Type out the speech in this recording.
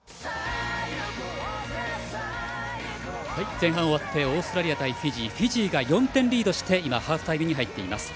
前半終わってオーストラリア対フィジーフィジーが４点リードしてハーフタイムに入っています。